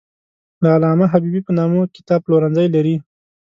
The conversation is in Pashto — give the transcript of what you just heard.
د علامه حبیبي په نامه کتاب پلورنځی لري.